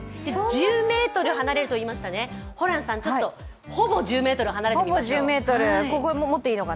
１０ｍ離れると言いましたね、ホランさん、ほぼ１０ｍ離れてみましょう。